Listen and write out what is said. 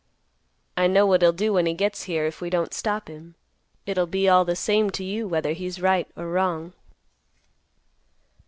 I know what he'll do when he gets here, if we don't stop him. It'll be all the same to you whether he's right or wrong."